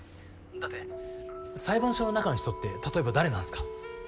だって裁判所の中の人って例えば誰なんすか？